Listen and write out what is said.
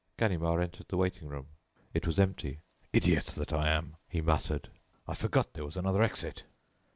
Ganimard entered the waiting room. It was empty. "Idiot that I am!" he muttered, "I forgot there was another exit."